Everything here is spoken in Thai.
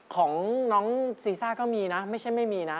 ของน้องซีซ่าก็มีนะไม่ใช่ไม่มีนะ